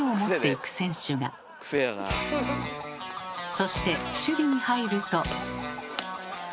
そして守備に入ると。